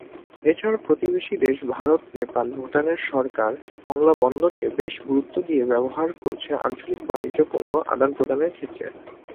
এছাড়া প্রতিবেশী দেশ ভারত নেপাল ভুটানের সরকার মোংলা বন্দরকে বেশ গুরুত্ব দিয়ে ব্যবহার করছে আঞ্চলিক বাণিজ্যিক পণ্য আদান প্রদানের ক্ষেত্রে।